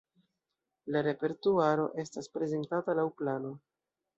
Repertuaro estas prezentata laŭ plano.